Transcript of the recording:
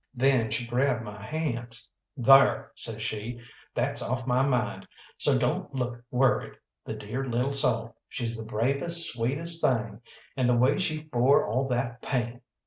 Then she grabbed my hands. "Thar," says she, "that's off my mind, so don't look worried. The dear little soul, she's the bravest, sweetest thing and the way she bore all that pain!